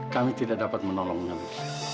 kami tidak dapat menolong kami